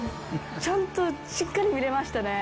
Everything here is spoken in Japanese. ちゃんとしっかり見れましたね。